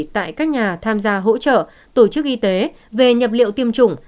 tại các nhà tham gia hỗ trợ tổ chức y tế về nhập liệu tiêm chủng